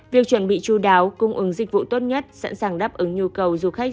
việc chuẩn bị chú đáo cung ứng dịch vụ tốt nhất sẵn sàng đáp ứng nhu cầu du khách